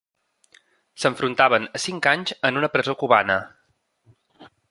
S'enfrontaven a cinc anys en una presó cubana.